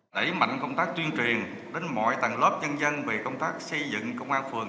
đẩy mạnh công tác tuyên truyền đến mọi tầng lớp nhân dân về công tác xây dựng công an phường